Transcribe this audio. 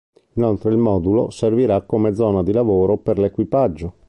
Inoltre il modulo servirà come zona di lavoro per l'equipaggio.